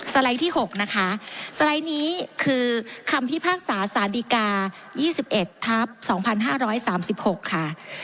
ไลด์ที่๖นะคะสไลด์นี้คือคำพิพากษาสารดีกา๒๑ทัพ๒๕๓๖ค่ะ